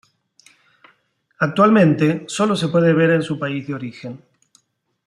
Actualmente solo se puede ver en su país de origen.